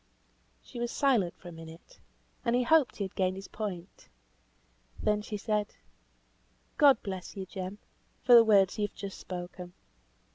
She was silent for a minute, and he hoped he had gained his point. Then she said, "God bless you, Jem, for the words you have just spoken.